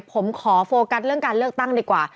ผมขอโฟกัสเรื่องการเลือกตั้งดีกว่า